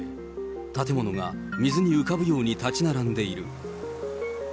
建物が水に浮かぶように建ち並んでいる。